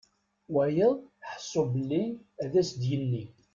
Wayeḍ ḥsu belli ad s-d-yenni.